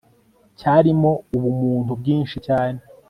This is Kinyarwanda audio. cyarimo ubu muntu bwinshi cyane